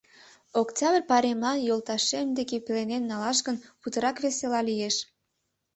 Октябрь пайремлан йолташем деке пеленем налаш гын, путырак весела лиеш.